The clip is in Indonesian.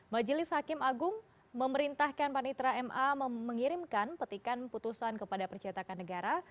majelis hakim agung memerintahkan panitra ma mengirimkan petikan putusan kepada percetakan negara